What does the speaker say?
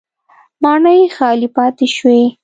ماڼۍ خالي پاتې شوې.